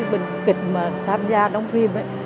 bên kịch mà tham gia đóng phim ấy